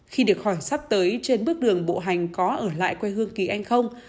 khi được hỏi sắp tới trên bước đường bộ hành có ở lại quê hương kỳ anh không